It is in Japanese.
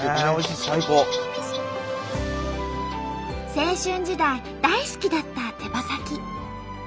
青春時代大好きだった手羽先。